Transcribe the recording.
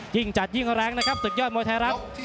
ยิ่งจัดยิ่งแรงนะครับศึกยอดมวยไทยรัฐ